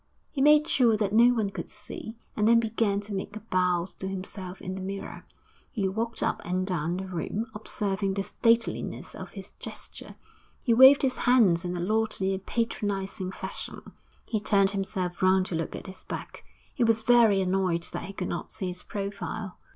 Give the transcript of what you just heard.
He made sure that no one could see, and then began to make bows to himself in the mirror; he walked up and down the room, observing the stateliness of his gesture; he waved his hands in a lordly and patronising fashion; he turned himself round to look at his back; he was very annoyed that he could not see his profile.